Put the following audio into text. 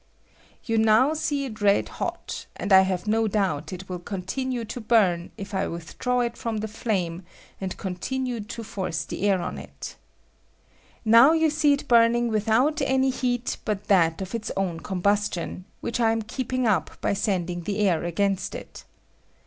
You now see it red hot, and I have no doubt it wiU continue to burn if I with draw it from the flamo and continue to force the air on it. Now you see it burning ■with out any heat but that of its own combustion, which I am keeping up by sending the air against it.